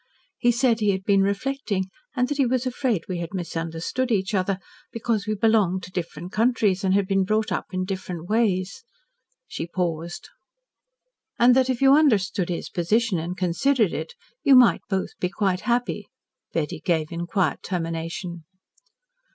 He said he had been reflecting and that he was afraid that we had misunderstood each other because we belonged to different countries, and had been brought up in different ways " she paused. "And that if you understood his position and considered it, you might both be quite happy," Betty gave in quiet termination.